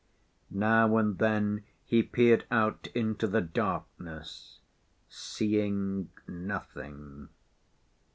Now and then he peered out into the darkness, seeing nothing.